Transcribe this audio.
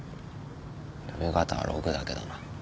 読み方はロクだけどな。